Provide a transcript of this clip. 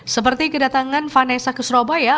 seperti kedatangan vanessa ke surabaya